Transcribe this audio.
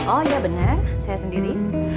oh ya benar saya sendiri